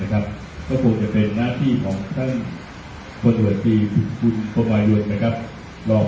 ก็คงจะเติมหน้าที่ของท่านคุณอาจารย์คือคุณประบวนัตรวจ